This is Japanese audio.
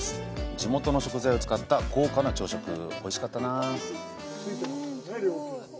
地元の食材を使った豪華な朝食おいしかったなぁ。